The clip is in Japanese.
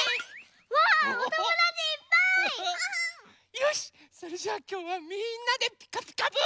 よしそれじゃあきょうはみんなで「ピカピカブ！」。